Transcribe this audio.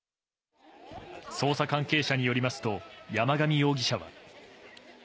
捜査関係者によりますと、山上容疑者は。